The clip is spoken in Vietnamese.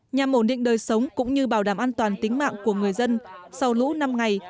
nhằm ổn định đời sống cũng như bảo đảm an toàn tính mạng của người dân sau lũ năm ngày